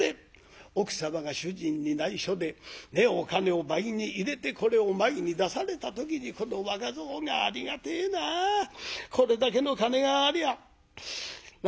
奥様が主人にないしょでお金を倍に入れてこれを前に出された時にこの若蔵が「ありがてえなあこれだけの金がありゃな？